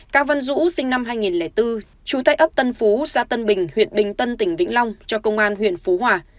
cao văn dũ sinh năm hai nghìn bốn trú tại ấp tân phú xá tân bình huyện bình tân tỉnh vĩnh long cho công an huyện phú hòa